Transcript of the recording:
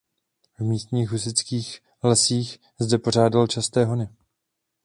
V místních hustých lesích zde pořádal časté hony.